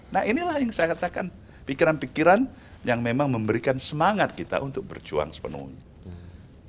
nah inilah yang saya katakan pikiran pikiran yang memang memberikan semangat kita untuk berjuang sepenuhnya